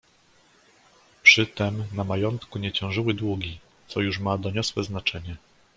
"Przy tem na majątku nie ciążyły długi, co już ma doniosłe znaczenie."